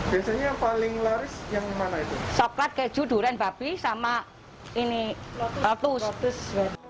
yang paling laris yang mana itu coklat keju durian babi sama ini rotus rotus